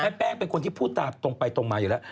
แป้งเป็นคนที่พูดตามตรงไปตรงมาอยู่แล้ว